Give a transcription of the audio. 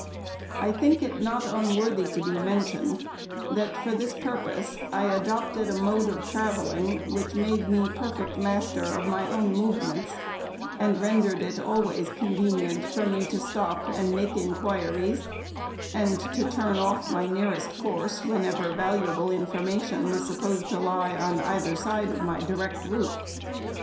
I think it not unworthy to be mentioned, that, for this purpose, I adopted a mode of travelling which made me perfect master of my own move ments, and rendered it always convenient for me to stop and make inquiries, and to turn off my nearest course, whenever valuable information was supposed to lie on FIRST ANNUAL REPORT. 387 either side of my direct route.